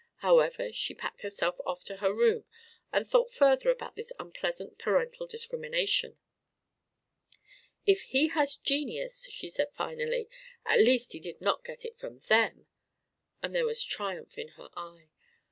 However she packed herself off to her room and thought further about this unpleasant parental discrimination. "If he has genius," she said finally, "at least he did not get it from them," and there was a triumph in her eye.